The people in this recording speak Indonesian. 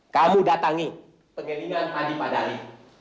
kamu datangi pengelilingan adi padali